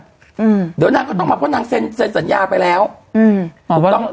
อืมเดี๋ยวนางก็ต้องมาเพราะนางเซ็นเซ็นสัญญาไปแล้วอืมถูกต้อง